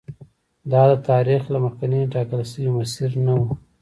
دا د تاریخ له مخکې ټاکل شوی مسیر نه و.